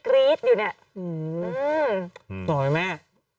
หรอป่ะแม่